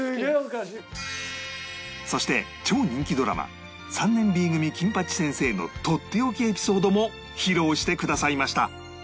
そして超人気ドラマ『３年 Ｂ 組金八先生』のとっておきエピソードも披露してくださいました